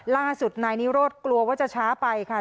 ล่าสุดนายนิโรธกลัวว่าจะช้าไปค่ะ